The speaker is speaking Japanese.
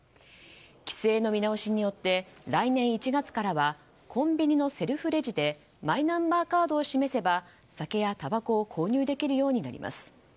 規制の見直しによって来年１月からはコンビニのセルフレジでマイナンバーカードを示せば酒やたばこを購入できるようになります。